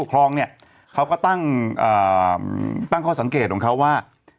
คลองเนี่ยเขาก็ตั้งข้อสังเกตของเขาว่า